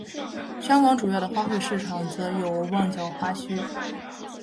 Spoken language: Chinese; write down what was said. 香港主要的花卉市场则有旺角花墟。